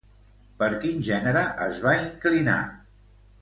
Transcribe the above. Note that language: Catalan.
Per quin gènere es va inclinar?